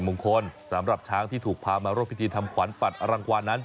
มงคลสำหรับช้างที่ถูกพามาร่วมพิธีทำขวัญปัดอรังความนั้น